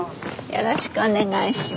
よろしくお願いします。